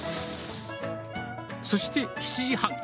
そして７時半。